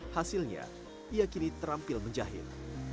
hasilnya ia kini terampil menjahit